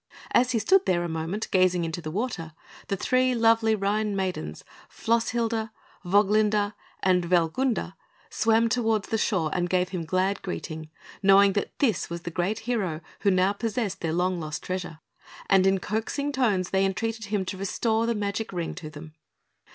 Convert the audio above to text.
As he stood there a moment, gazing into the water, the three lovely Rhine maidens, Flosshildr, Woglinda, and Wellgunda, swam towards the shore and gave him glad greeting, knowing that this was the great hero who now possessed their long lost treasure; and in coaxing tones they entreated him to restore the magic Ring to them.